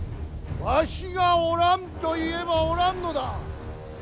わしがおらんと言えばおらんのだ。